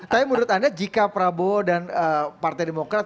tapi menurut anda jika prabowo dan partai pertama itu